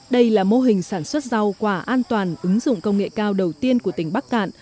đây là mô hình sản xuất rau quả an toàn ứng dụng công nghệ cao đầu tiên của tỉnh bắc cạn